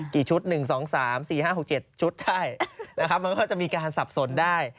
กี่ชุด๑๒๓๔๕๖๗ชุดได้นะครับมันก็จะมีการสับสนได้